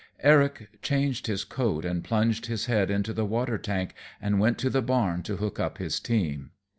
Eric changed his coat and plunged his head into the watertank and went to the barn to hook up his team.